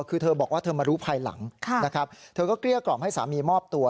คือเธอบอกว่าเธอมารู้ภายหลังนะครับเธอก็เกลี้ยกล่อมให้สามีมอบตัว